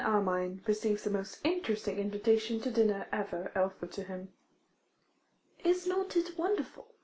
Ferdinand Receives the Most Interesting Invitation to Dinner Ever Offered to Him. IS NOT it wonderful?